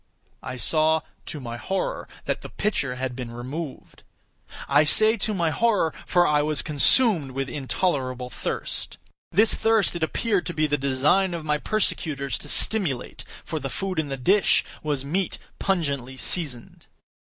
I saw, to my horror, that the pitcher had been removed. I say to my horror—for I was consumed with intolerable thirst. This thirst it appeared to be the design of my persecutors to stimulate—for the food in the dish was meat pungently seasoned.